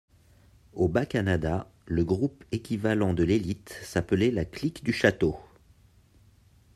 Au Bas-Canada, le groupe équivalent de l'élite s'appelait la Clique du Château.